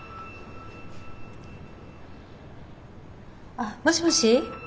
あっもしもし？